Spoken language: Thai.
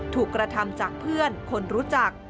ถูกกระทำจากเพื่อนคนรู้จัก